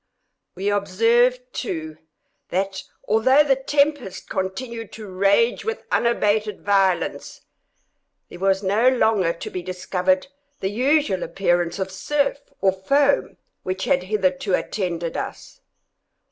We observed too, that, although the tempest continued to rage with unabated violence, there was no longer to be discovered the usual appearance of surf, or foam, which had hitherto attended us.